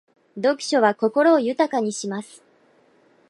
読書は心を豊かにします。